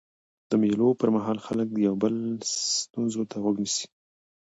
د مېلو پر مهال خلک د یو بل ستونزو ته غوږ نیسي.